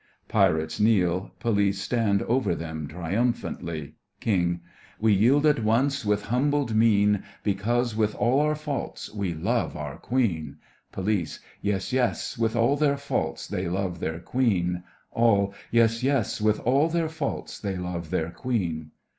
(PIRATES kneel, POLICE stand over them triumphantly.) KING: We yield at once, with humbled mien, Because, with all our faults, we love our Queen. POLICE: Yes, yes, with all their faults, they love their Queen. ALL: Yes, yes, with all their faults, they love their Queen.